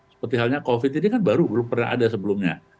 seperti halnya covid ini kan baru belum pernah ada sebelumnya